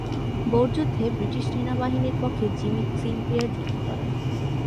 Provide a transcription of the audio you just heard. Bore যুদ্ধে British সেনাবাহিনীর পক্ষে জিমি সিনক্লেয়ার যুদ্ধ করেন।